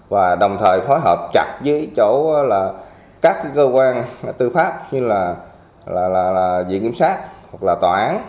và đồng thời phó hợp chặt với các cơ quan tư pháp như diện kiểm sát hoặc tòa án